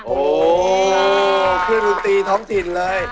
โอ้คือดูตีท้องถิ่นเลย